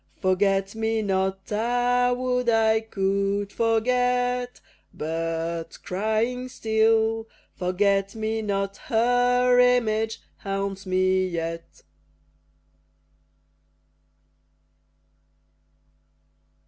Forget me not! Ah! would I could forget! But, crying still, "Forget me not," Her image haunts me yet.